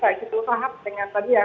saya terpaham dengan tadi ya